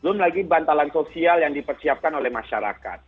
belum lagi bantalan sosial yang dipersiapkan oleh masyarakat